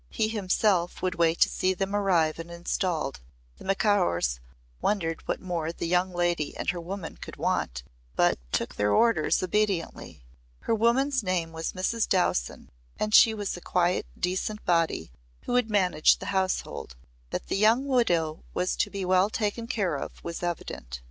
He himself would wait to see them arrive and installed. The Macaurs wondered what more the "young leddy" and her woman could want but took their orders obediently. Her woman's name was Mrs. Dowson and she was a quiet decent body who would manage the household. That the young widow was to be well taken care of was evident.